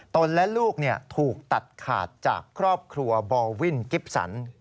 และลูกถูกตัดขาดจากครอบครัวบอลวินกิฟสัน